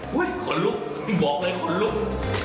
เฮ้ยขนลุกบอกไงขนลุก